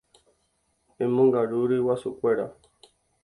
Emongaru ryguasukuéra.